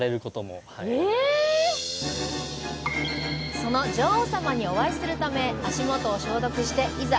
その女王様にお会いするため足元を消毒していざ